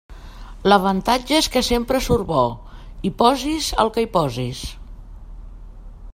L'avantatge és que sempre surt bo, hi posis el que hi posis.